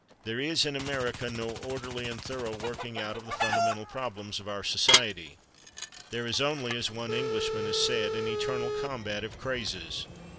There is, in America, no orderly and thorough working out of the fundamental problems of our society; there is only, as one Englishman has said, an eternal combat of crazes.